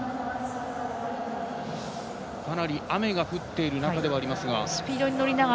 かなり雨が降っている中ではありますが。